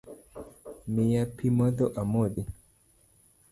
Miya pi modho amodhi.